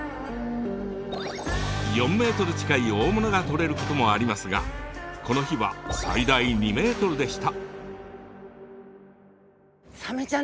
４ｍ近い大物がとれることもありますがこの日は最大２ｍでした。